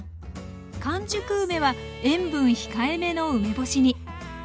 完熟梅は塩分控えめの梅干しに。